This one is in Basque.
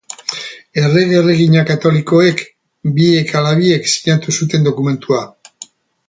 Errege-erregina Katolikoek, biek ala biek, sinatu zuten dokumentua.